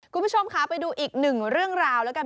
คุณผู้ชมค่ะไปดูอีกหนึ่งเรื่องราวแล้วกัน